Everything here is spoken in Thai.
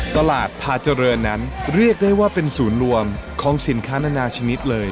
ตลาดพาเจริญนั้นเรียกได้ว่าเป็นศูนย์รวมของสินค้านานาชนิดเลย